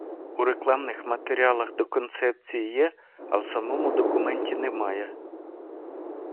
У рекламних матеріалах до Концепції є, а в самому документі немає.